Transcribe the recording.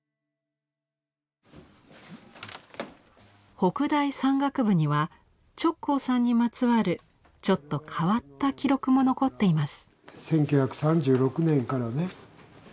北大山岳部には直行さんにまつわるちょっと変わった記録も残っています。